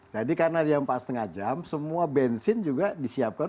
jadi karena di empat lima jam semua bensin juga disiapkan